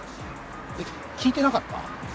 えっ聞いてなかった？